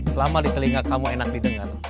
selama di telinga kamu enak didengar